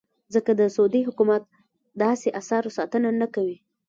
ځکه د سعودي حکومت داسې اثارو ساتنه نه کوي.